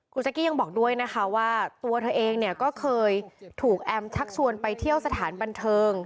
คุณแจ๊กกี้ยังบอกด้วยนะคะว่าตัวเธอเองเนี่ยก็เคยถูกแอมชักชวนไปเที่ยวสถานบันเทิง